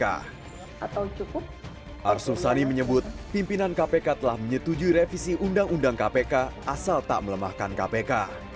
arsul sani menyebut pimpinan kpk telah menyetujui revisi undang undang kpk asal tak melemahkan kpk